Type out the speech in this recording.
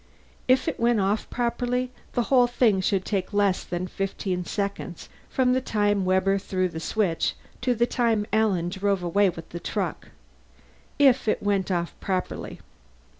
If it went off properly the whole thing should take less than fifteen seconds, from the time Webber threw the switch to the time Alan drove away with the truck. If it went off properly.